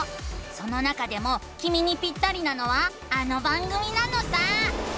その中でもきみにピッタリなのはあの番組なのさ！